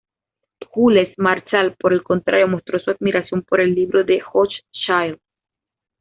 Jules Marchal, por el contrario, mostró su admiración por el libro de Hochschild.